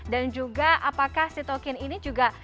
dan juga apakah sitokin ini juga